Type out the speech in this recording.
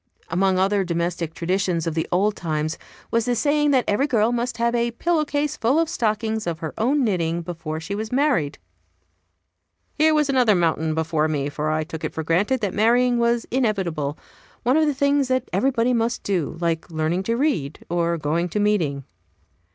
Among other domestic traditions of the old times was the saying that every girl must have a pillow case full of stockings of her own knitting before she was married. Here was another mountain before me, for I took it for granted that marrying was inevitable one of the things that everybody must do, like learning to read, or going to meeting.